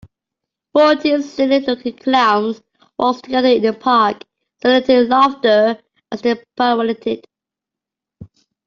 Fourteen silly looking clowns waltzed together in the park eliciting laughter as they pirouetted.